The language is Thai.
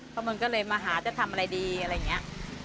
เพราะมันก็เลยมาหาจะทำอะไรดีอะไรอย่างนี้